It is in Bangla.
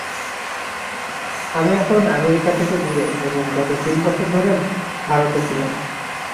আমি এখন আমেরিকা থেকে দূরে এবং গত তিন বছর ধরে ভারতে ছিলাম।